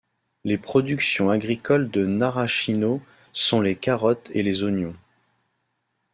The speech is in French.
Les productions agricoles de Narashino sont les carottes et les oignons.